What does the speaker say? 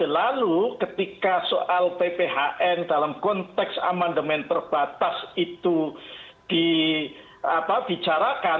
lalu ketika soal pphn dalam konteks amandemen terbatas itu dibicarakan